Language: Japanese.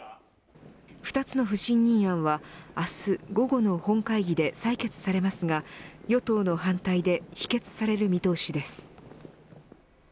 ２つの不信任案は明日午後の本会議で採決されますが、与党の反対で否決される見通しです。